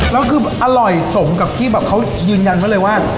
แล้วคืออร่อยสมกับที่แบบเขายืนยันไว้เลยว่า